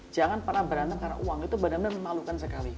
jangan pernah berantem karena uang itu benar benar memalukan sekali